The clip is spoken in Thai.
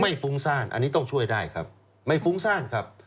ฟุ้งซ่านอันนี้ต้องช่วยได้ครับไม่ฟุ้งซ่านครับ